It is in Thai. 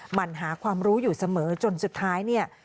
มันหาความรู้อยู่เสมอจนสุดท้ายเนี่ย